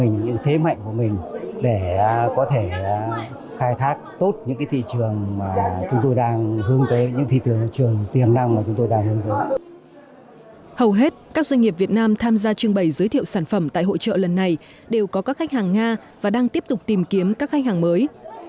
hầu hết các doanh nghiệp việt nam tham gia trưng bày giới thiệu sản phẩm tại hội trợ lần này đều có các khách hàng nga và đang tiếp tục tìm kiếm các khách hàng mới